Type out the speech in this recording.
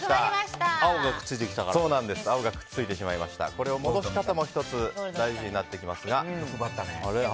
これは戻し方も１つ、大事になってきます。